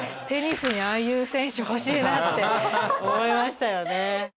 テニスにああいう選手欲しいなって思いましたよね。